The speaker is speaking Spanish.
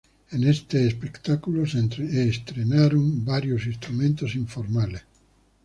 En este espectáculo se estrenaron varios instrumentos informales.